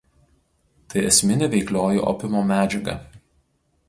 Tai esminė veiklioji opiumo medžiaga.